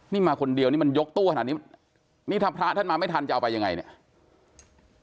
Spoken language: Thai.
นี่มาคนเดียวนี่มันยกตู้ขนาดนี้นี่ถ้าพระท่านมาไม่ทันจะเอาไปยังไงเนี่ย